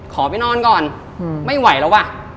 ขอไปนอนก่อนไม่ไหวแล้วว่ะ